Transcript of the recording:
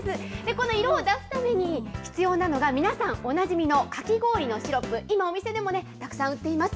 この色を出すために必要なのが、皆さんおなじみのかき氷のシロップ、今、お店でもたくさん売っています。